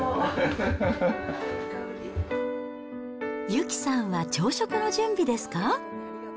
有紀さんは朝食の準備ですか？